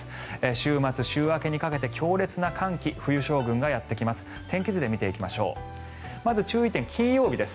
週末、週明けにかけて強烈な寒気冬将軍がやってきます。